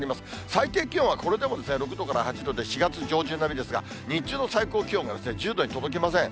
最低気温はこれでも６度から８度で、４月上旬並みですが、日中の最高気温が１０度に届きません。